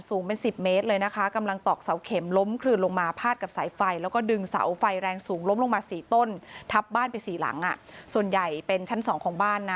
สูงล้มลงมา๔ต้นทับบ้านไป๔หลังส่วนใหญ่เป็นชั้น๒ของบ้านนะ